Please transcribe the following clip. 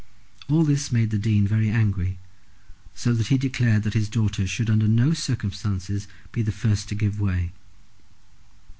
All this made the Dean very angry, so that he declared that his daughter should under no circumstances be the first to give way.